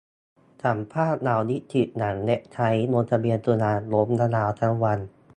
สัมภาษณ์เหล่านิสิต หลังเว็บไซต์ลงทะเบียนจุฬาล่มระนาวทั้งวัน